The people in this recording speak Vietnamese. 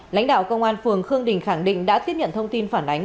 lãnh đạo công an phường khương đình khẳng định đã tiếp nhận thông tin phản ánh